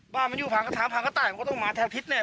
บ้านมันอยู่ทางกระต่ายมันก็ต้องมาแถวทิศเนี่ย